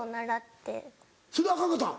それでアカンかったん？